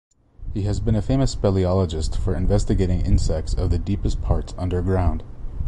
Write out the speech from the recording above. He has been a famous speleologist for investigating insects of the deepest parts underground.